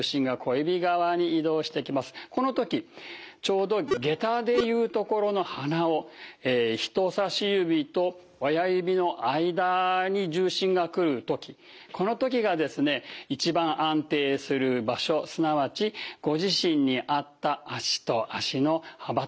この時ちょうどげたで言うところの鼻緒人さし指と親指の間に重心が来る時この時がですね一番安定する場所すなわちご自身に合った足と足の幅となります。